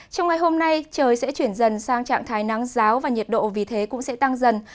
trong ngày hôm nay trời sẽ chuyển dần sang trạng thái nắng giáo và nhiệt độ vì thế cũng sẽ tăng dần